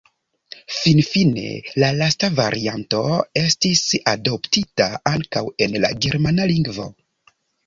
Finfine la lasta varianto estis adoptita ankaŭ en la germana lingvo.